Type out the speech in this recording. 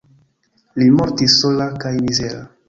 Li mortis sola kaj mizera.